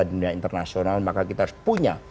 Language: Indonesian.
dunia internasional maka kita harus punya